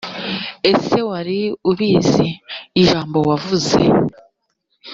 ese wari ubizi ijambo wavuze.